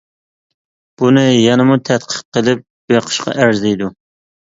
بۇنى يەنىمۇ تەتقىق قىلىپ بېقىشقا ئەرزىيدۇ.